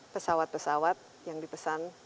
pesawat pesawat yang dipesan